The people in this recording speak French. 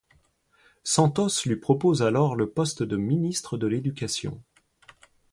Santos lui propose alors le poste de ministre de l'Éducation.